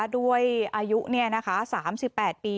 ด้วยอายุเนี่ยนะคะ๓๘ปี